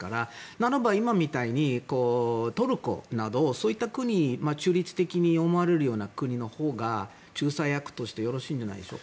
ならば、今みたいにトルコなどの中立的に思われる国のほうが仲裁役としてよろしいんじゃないでしょうか。